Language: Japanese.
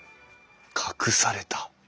隠された？